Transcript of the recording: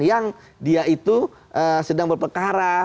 yang dia itu sedang berperkara